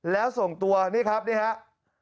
แล้วส่งตัวนี่ครับนี่ครับ